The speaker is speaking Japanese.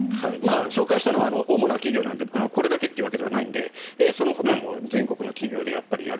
紹介したのは主な企業なのでこれだけというわけではないのでそのほかも全国の企業でやっぱりやる。